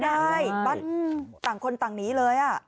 ไม่ได้ปั๊ดจังคนต่างนี้เลย